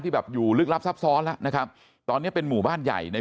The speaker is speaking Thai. แบบอยู่ลึกลับซับซ้อนแล้วนะครับตอนนี้เป็นหมู่บ้านใหญ่ใน